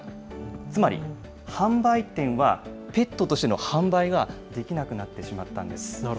つまり、販売店はペットとしての販売ができなくなってしまったんです。